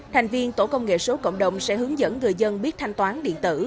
thành viên tổ công nghệ số cộng đồng sẽ hướng dẫn người dân biết thanh toán điện tử